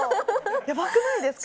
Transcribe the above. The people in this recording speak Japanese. やばくないですか？